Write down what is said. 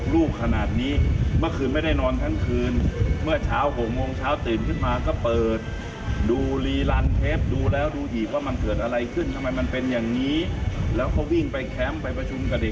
เราได้เห็นแล้วว่าการเป็นที่๘ของเอเชีย